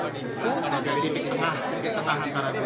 karena di titik tengah